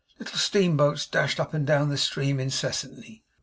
Little steam boats dashed up and down the stream incessantly.